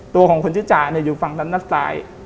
ตัวของคนชื่อจ๋าเนี่ยอยู่ฝั่งด้านหน้าสาย